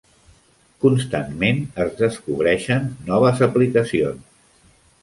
Constantment es descobreixen noves aplicacions.